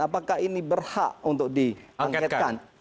apakah ini berhak untuk diangketkan